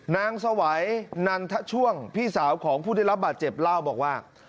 สวัยนันทะช่วงพี่สาวของผู้ได้รับบาดเจ็บเล่าบอกว่า